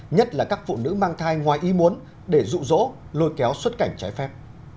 nhất là các phụ nữ mang thai ngoài ý muốn để rụ rỗ lôi kéo xuất cảnh trái phép